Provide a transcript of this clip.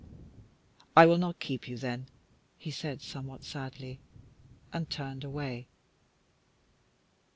"I will not keep you, then," he said, somewhat sadly, and turned away.